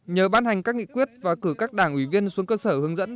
nhờ ban hành các nghị quyết và cử các đảng ủy viên xuống cơ sở hướng dẫn